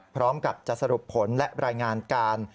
พร้อมกับจะสรุปผลและรายงานการ